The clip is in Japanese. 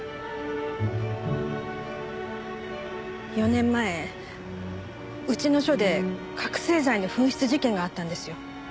４年前うちの署で覚醒剤の紛失事件があったんですよ。